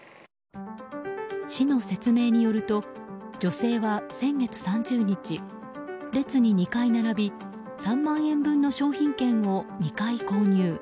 市の説明によると女性は先月３０日列に２回並び３万円分の商品券を２回購入。